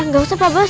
gak usah pak bos